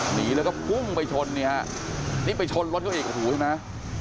หนีแล้วก็ทุ่งไปชนอีกงานนี่อ่ะนี่ไปชนรถเขาเอกรุณคู่ใช่ไหมฮะ